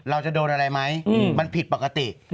เราจะโดนอะไรไหมมันผิดปกติ